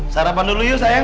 sarapan dulu yuk sayang